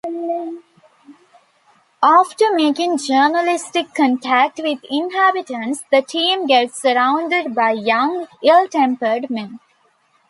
After making journalistic contact with inhabitants, the team gets surrounded by young, ill-tempered men.